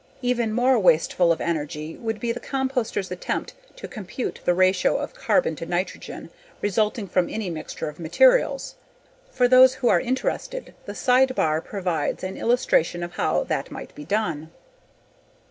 Even more wasteful of energy would be the composter's attempt to compute the ratio of carbon to nitrogen resulting from any mixture of materials. For those who are interested, the sidebar provides an illustration of how that might be done.